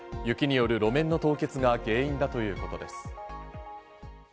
雪による路面の凍結が原因だということです。